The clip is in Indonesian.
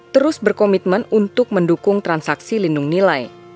terus berkomitmen untuk mendukung transaksi lindung nilai